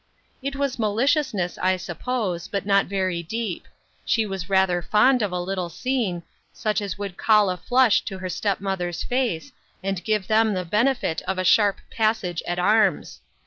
It was maliciousness, I suppose, but not very deep. She was rather fond of a little scene, such as would call a flush to her step mother's face, and give them the benefit of a sharp passage at arms.